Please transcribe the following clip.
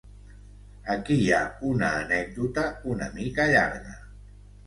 Aquí hi ha una anècdota una mica llarga.